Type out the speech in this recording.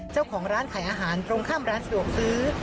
เจ้าของร้านขายอาหารตรงข้ามร้านสะดวกซื้อ